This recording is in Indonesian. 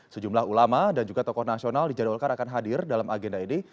sejumlah ulama dan juga tokoh nasional dijadwalkan akan hadir dalam agenda ini